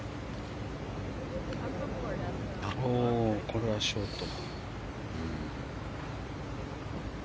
これはショート。